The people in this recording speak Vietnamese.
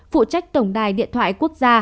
phụ trách tổng đài điện thoại quốc gia